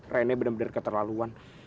renek bener bener keterlaluan